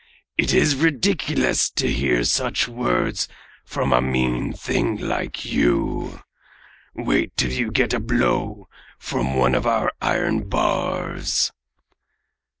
It is ridiculous to hear such words from a mean thing like you. Wait till you get a blow from one of our iron bars!"